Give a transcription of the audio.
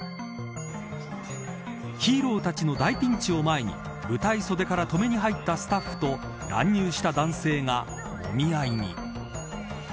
ヒーローたちの大ピンチを前に舞台袖から止めに入ったスタッフと乱入した男性がもみ合いに。